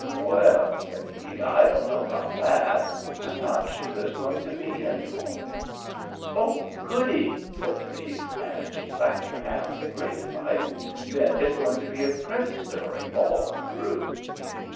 "Well," said he, "I don't know about that. I'm not sure there's going to be any moral." "Oh, goody!" said the niece, and she clapped her hands in great delight. "Then it's going to be a Prince story all through!"